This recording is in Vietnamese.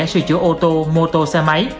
sửa chữa ô tô mô tô xe máy